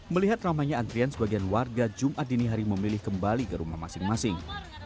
melihat ramainya antrean sebagian warga jumat tinihari memilih kembali ke rumah masing masing